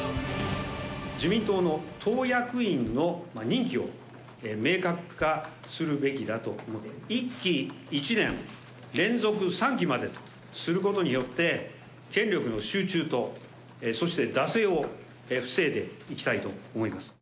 自民党の党役員の任期を明確化するべきだと思って、１期１年、連続３期までとすることによって、権力の集中と、そして惰性を防いでいきたいと思います。